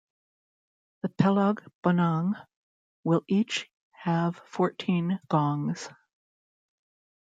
The pelog bonang will each have fourteen gongs.